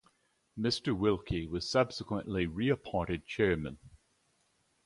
Mister Wilkie was subsequently reappointed chairman.